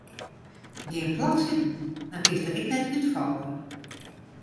Gean plat sitten dan kinst der ek net útfalle.